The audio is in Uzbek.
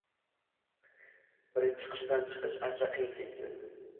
Birinchi qishdan chiqish ancha qiyin kechdi